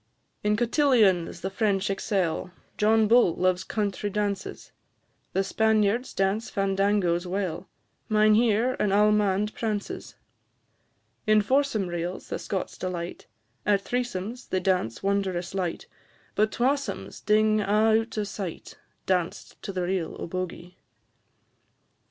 In cotillions the French excel, John Bull loves country dances; The Spaniards dance fandangoes well; Mynheer an all'mande prances; In foursome reels the Scots delight, At threesomes they dance wondrous light, But twasomes ding a' out o' sight, Danced to the reel o' Bogie.